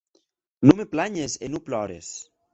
Non me planhes e non plores!